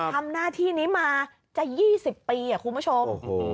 ทำหน้าที่นี้มาจะ๒๐ปีคุณผู้ชม